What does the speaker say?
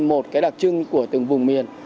một cái đặc trưng của từng vùng miền